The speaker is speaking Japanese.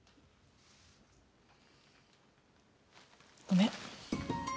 ごめん。